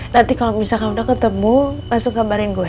nanti kalau misalkan udah ketemu langsung gambarin gue